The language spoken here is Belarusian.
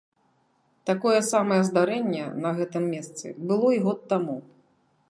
Такое самае здарэнне на гэтым месцы было і год таму.